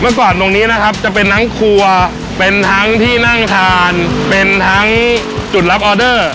เมื่อก่อนตรงนี้นะครับจะเป็นทั้งครัวเป็นทั้งที่นั่งทานเป็นทั้งจุดรับออเดอร์